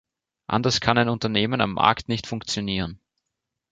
Anders kann ein Unternehmen am Markt nicht funktionieren.